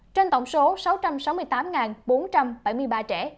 trên tổng số sáu trăm sáu mươi tám bốn trăm bảy mươi ba trẻ